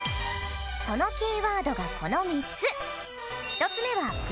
そのキーワードがこの３つ。